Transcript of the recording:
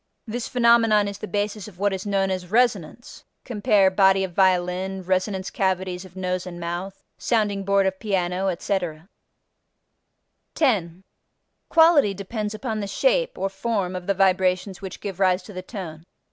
This phenomenon is the basis of what is known as resonance (cf. body of violin, resonance cavities of nose and mouth, sounding board of piano, etc.). 10. Quality depends upon the shape (or form) of the vibrations which give rise to the tone.